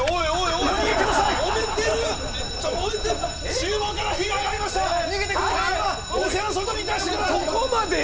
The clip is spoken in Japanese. お客様店の外に出してください